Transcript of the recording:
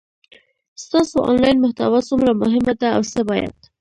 ستاسو انلاین محتوا څومره مهمه ده او څه باید